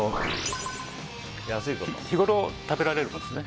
日ごろ食べられることですね。